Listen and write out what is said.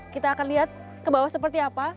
kita akan lihat ke bawah seperti apa